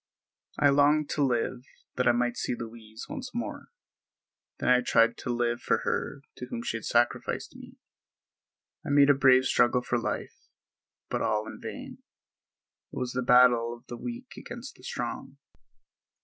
I longed to live that I might see Louise once more. Then I tried to live for her to whom she had sacrificed me. I made a brave struggle for life, but all in vain. It was the battle of the weak against the strong.